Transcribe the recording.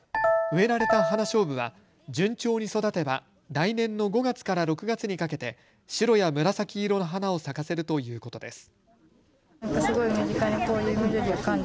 植えられたハナショウブは順調に育てば来年の５月から６月にかけて白や紫色の花を咲かせるということです。